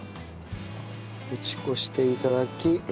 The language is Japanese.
打ち粉して頂き